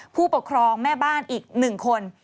ผู้ปกครองแม่บ้านอีก๑คน